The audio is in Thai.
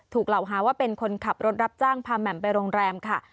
กล่าวหาว่าเป็นคนขับรถรับจ้างพาแหม่มไปโรงแรมค่ะ